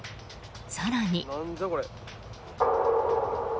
更に。